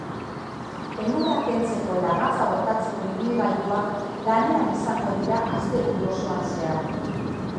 Elurra kentzeko eta gatza botatzeko ibilgailuak lanean izango dira asteburu osoan zehar.